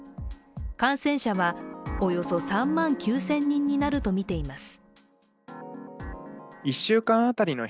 感染者はおよそ３万９０００人になるとみています。